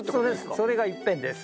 それが１片です。